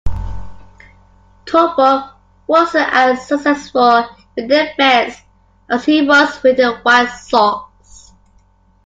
Torborg wasn't as successful with the Mets as he was with the White Sox.